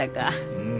うん。